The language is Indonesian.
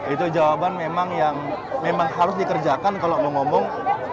itu jawaban memang yang memang harus dikerjakan kalau mau ngomong dua ribu dua puluh empat